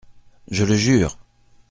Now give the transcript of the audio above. Je le jure !